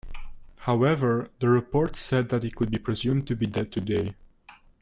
However, the report said that he could be presumed to be dead today.